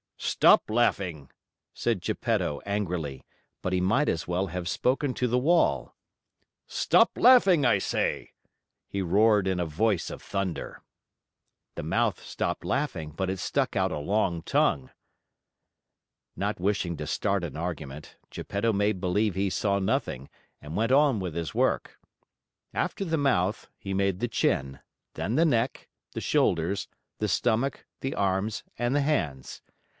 "Stop laughing!" said Geppetto angrily; but he might as well have spoken to the wall. "Stop laughing, I say!" he roared in a voice of thunder. The mouth stopped laughing, but it stuck out a long tongue. Not wishing to start an argument, Geppetto made believe he saw nothing and went on with his work. After the mouth, he made the chin, then the neck, the shoulders, the stomach, the arms, and the hands.